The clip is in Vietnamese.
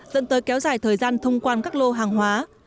dẫn tới kéo dài thời gian thông quan các lô hàng hóa